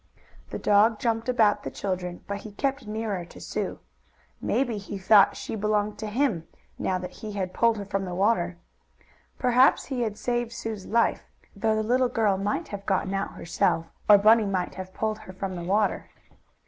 The dog jumped about the children, but he kept nearer to Sue. Maybe he thought she belonged to him, now that he had pulled her from the water. Perhaps he had saved Sue's life, though the little girl might have gotten out herself, or Bunny might have pulled her from the water.